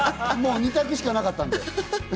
二択しかなかったんで。